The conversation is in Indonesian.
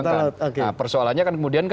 nah persoalannya kan kemudian